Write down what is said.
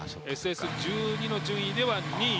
ＳＳ１２の順位では２位。